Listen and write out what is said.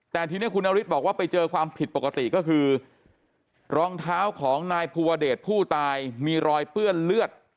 แต่ทีนี้คุณนฤทธิ์บอกว่าไปเจอความผิดปกติก็คือรองเท้าของนายภูวเดชผู้ตายมีรอยเปื้อนเลือด